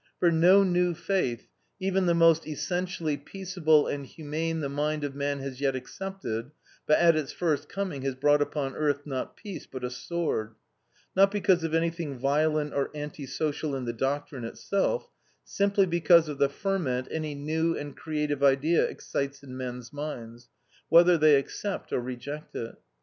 For no new faith, even the most essentially peaceable and humane the mind of man has yet accepted, but at its first coming has brought upon earth not peace, but a sword; not because of anything violent or anti social in the doctrine itself; simply because of the ferment any new and creative idea excites in men's minds, whether they accept or reject it.